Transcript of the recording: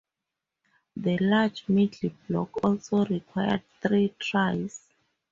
The large middle block also required three tries.